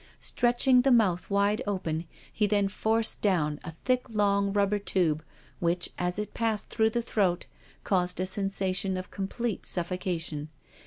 Stretching the mouth wide open, he then forced down a thick, long, rubber tube, which, as it passed through the throat, caused a sensation of IN THE PUNISHMENT CELL 289 complete suffocation.